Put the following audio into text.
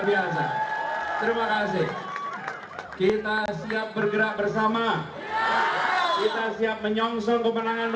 siap merapikan barisan